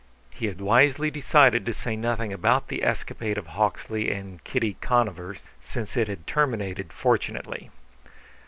He had wisely decided to say nothing about the escapade of Hawksley and Kitty Conover, since it had terminated fortunately.